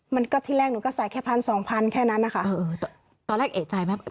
มันก็ที่แรกหนูก็ใส่แค่พันสองพันแค่นั้นนะคะตอนแรกเอกใจไหม